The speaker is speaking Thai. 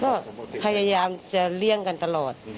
ก็พยายามจะเลี่ยงกันตลอด